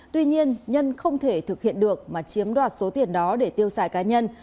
tuy nhiên nhân không thể thực hiện được mà chiếm đoạt số tiền đó để tiêu xài cá nhân